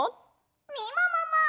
みももも！